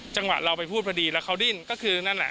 จังหวะเราไปพูดพอดีแล้วเขาดิ้นก็คือนั่นแหละ